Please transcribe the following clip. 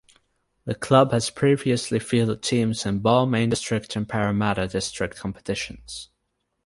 The club has previously fielded teams in Balmain District and Parramatta District competitions.